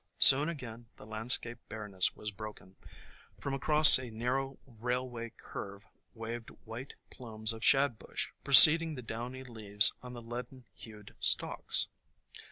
Soon again the landscape barrenness was broken. From across a narrow railway curve waved white plumes of Shadbush, preceding the downy leaves on the leaden hued stalks.